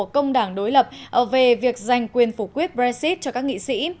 công đảng đối lập về việc giành quyền phủ quyết brexit cho các nghị sĩ